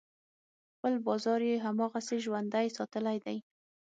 خپل بازار یې هماغسې ژوندی ساتلی دی.